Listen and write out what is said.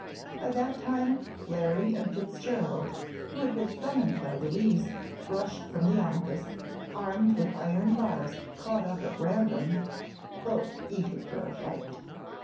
By that time Larry and Fitzgerald, who had been summoned by Louise, rushed from the office armed with iron bars caught up at random, both eager for a fight.